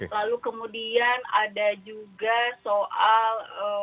lalu kemudian ada juga soal